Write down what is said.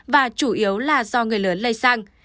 và chủ yếu là do người lớn lây sang